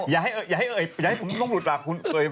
อย่าให้เอ่ยอย่าให้ผมลุดหลักคุณเอ่ย